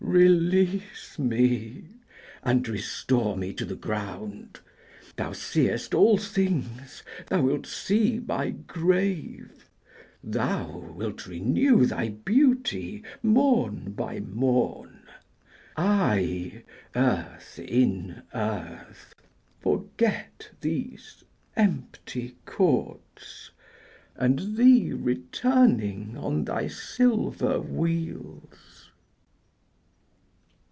Release me, and restore me to the ground; Thou seest all things, thou wilt see my grave: Thou wilt renew thy beauty morn by morn; I earth in earth forget these empty courts, And thee returning on thy silver wheels.